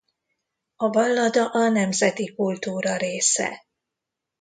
A ballada a nemzeti kultúra része.